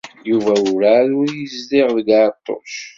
Yuba werɛad ur yezdiɣ deg Ɛeṭṭuc.